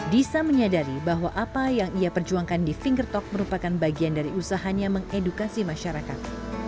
disa menyadari bahwa apa yang ia perjuangkan di finger talk merupakan bagian dari usahanya mengedukasi masyarakat